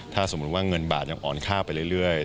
ถ้าสมมุติว่าเงินบาทยังอ่อนค่าไปเรื่อย